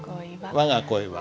「わが恋は」。